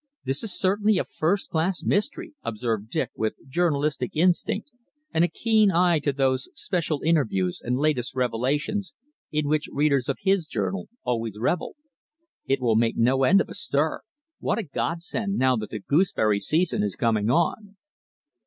"This is certainly a first class mystery," observed Dick, with journalistic instinct and a keen eye to those "special interviews" and "latest revelations" in which readers of his journal always revelled. "It will make no end of a stir. What a godsend, now that the gooseberry season is coming on."